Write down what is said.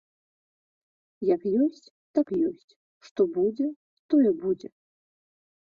Як ёсць, так ёсць, што будзе, тое будзе.